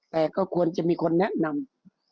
แต่ก็ควรจะมีคนแนะนำ